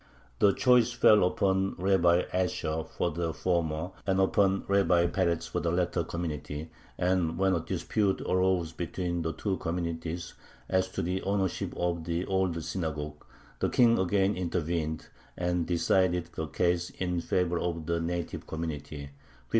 The choice fell upon Rabbi Asher for the former, and upon Rabbi Peretz for the latter, community, and when a dispute arose between the two communities as to the ownership of the old synagogue, the King again intervened, and decided the case in favor of the native community (1519).